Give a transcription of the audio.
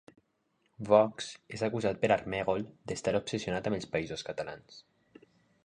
Vox és acusat per Armengol d'estar obsessionat amb els Països Catalans.